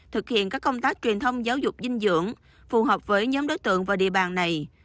thực hiện các công tác truyền thông giáo dục dinh dưỡng phù hợp với nhóm đối tượng và địa bàn này